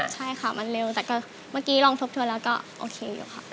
แต่ก็เมื่อกี้ร้องทบทวนแล้วก็โอเคอยู่ค่ะ